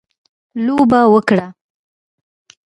لوبه وکړي.